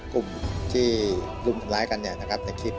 กลุ่มที่รุ่มกำลังกันในคลิป